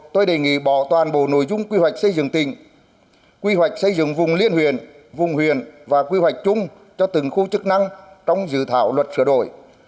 tôi đề nghị bỏ toàn bộ nội dung quy hoạch xây dựng tỉnh quy hoạch xây dựng vùng liên huyền vùng huyền và quy hoạch chung cho từng khu chức năng trong dự thảo luật sửa đổi